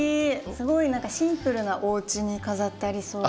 すごい何かシンプルなおうちに飾ってありそう。